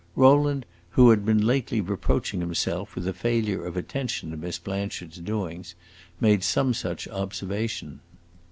Rowland, who had been lately reproaching himself with a failure of attention to Miss Blanchard's doings, made some such observation.